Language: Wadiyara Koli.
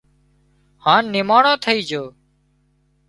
هانَ نماڻو ٿئي جھو